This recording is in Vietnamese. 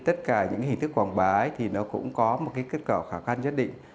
tất cả những hình thức quảng bá cũng có một kết cỡ khả quan nhất định